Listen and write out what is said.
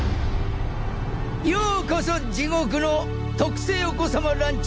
ようこそ地獄の「特製お子さまランチ」